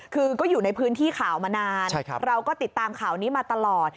คือก็อยู่ในพื้นที่ข่าวมานานเราก็ติดตามข่าวนี้มาตลอด